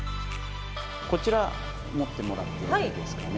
こちら持ってもらっていいですかね。